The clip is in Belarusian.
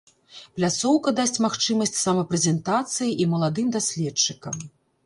Пляцоўка дасць магчымасць самапрэзентацыі і маладым даследчыкам.